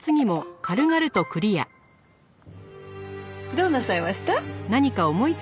どうなさいました？